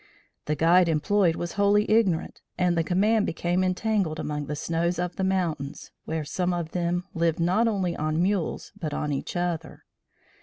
The guide employed was wholly ignorant and the command became entangled among the snows of the mountains, where some of them lived not only on mules but on each other.